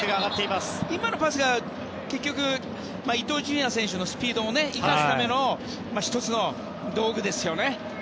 今のパスが結局伊東純也選手のスピードを生かすための１つの道具ですよね。